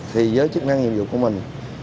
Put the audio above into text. thì với chức năng nhiệm vụ của mình